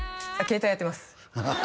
携帯やってます